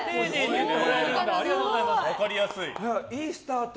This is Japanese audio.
いいスタート。